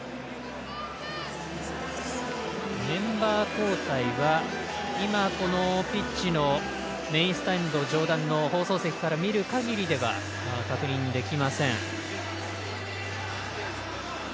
メンバー交代は今、ピッチのメインスタンド上段の放送席から見るかぎりでは確認できません。